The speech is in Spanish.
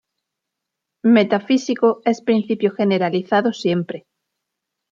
Metafísico es principio generalizado siempre.